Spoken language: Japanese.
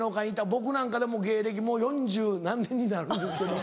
僕なんかでも芸歴もう４０何年になるんですけども。